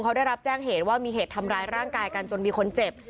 เขาได้รับแจ้งเหตุว่ามีเหตุทำร้ายร่างกายกันจนมีคนเจ็บ